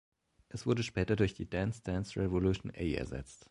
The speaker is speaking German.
Es wurde später durch die Dance-Dance-Revolution A ersetzt.